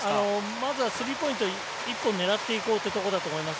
まずはスリーポイント１本狙っていこうというところだと思います。